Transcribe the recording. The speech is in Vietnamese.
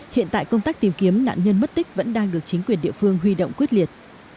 hiện tại công tác tìm kiếm nạn nhân mất tích vẫn đang được chính quyền địa phương huy động quyết liệt